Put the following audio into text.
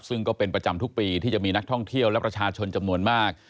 ซึ่งก็เป็นประจำทุกปีที่จะมีนักท่องเที่ยวและประชาชนจำนวนมาก